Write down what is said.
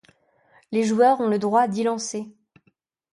Les joueurs ont le droit à dix lancers.